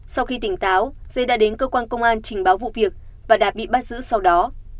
sau khi tỉnh táo dê đã đến cơ quan công an trình báo vụ việc và đạt bị bắt giữ sau đó